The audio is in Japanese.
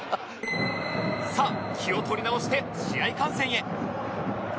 さあ気を取り直して試合観戦へ